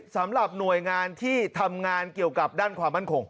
สำหรับหน่วยงานที่ทำงานเกี่ยวกับด้านความมั่นคง